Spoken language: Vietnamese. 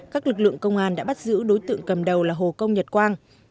các lực lượng công an đã bắt giữ đối tượng cầm đầu là hồ công nhật quang